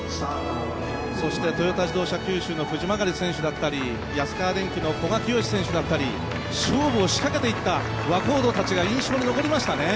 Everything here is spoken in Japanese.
そしてトヨタ自動車九州の藤曲選手だったり安川電機の選手だったり勝負を仕掛けていった若人が印象に残りましたね。